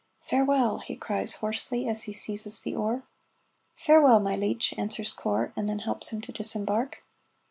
"Farewell!" he cries hoarsely, as he seizes the oar. "Farewell, my leech," answers Corp, and then helps him to disembark.